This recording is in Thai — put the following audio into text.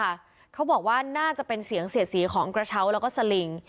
เขาบอกว่าน่าจะเป็นเสียงเสียดสีของกระเช้าแล้วก็สลิง